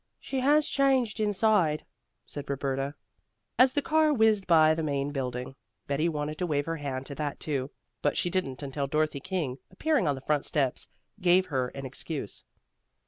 "She has changed inside," said Roberta. As the car whizzed by the Main Building, Betty wanted to wave her hand to that too, but she didn't until Dorothy King, appearing on the front steps, gave her an excuse.